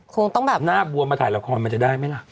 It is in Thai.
คงต้องแบบหน้าบัวมาถ่ายละครมันจะได้ไหมล่ะ